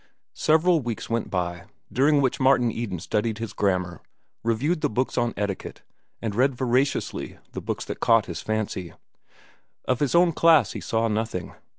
Several weeks went by, during which Martin Eden studied his grammar, reviewed the books on etiquette, and read voraciously the books that caught his fancy. Of his own class he saw nothing.